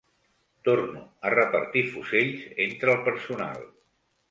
Torno a repartir fusells entre el personal.